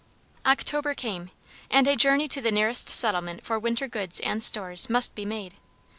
October came, and a journey to the nearest settlement for winter goods and stores, must be made.